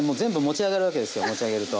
持ちあげると。